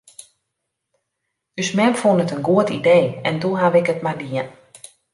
Us mem fûn it in goed idee en doe haw ik it mar dien.